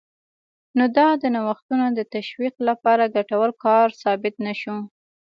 نو دا د نوښتونو د تشویق لپاره ګټور کار ثابت نه شو